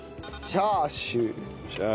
チャーシュー。